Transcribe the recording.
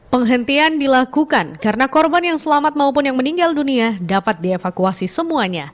penghentian dilakukan karena korban yang selamat maupun yang meninggal dunia dapat dievakuasi semuanya